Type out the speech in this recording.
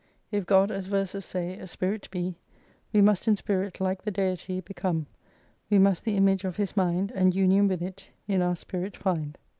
If God, as verses say, a Spirit be We must in Spirit like the Deity Become : we must the Image of His mind And union with it, in our Spirit find.